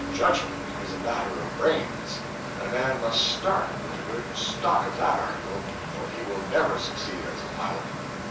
Judgment is a matter of brains, and a man must _start _with a good stock of that article or he will never succeed as a pilot.